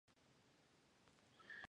おっふオラドラえもん